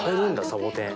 サボテン。